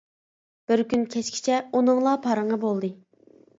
بىر كۈن كەچكىچە ئۇنىڭلا پارىڭى بولدى.